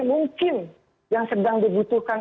mungkin yang sedang dibutuhkan